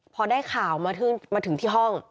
พอได้ข่าวมาถึงที่ห้อง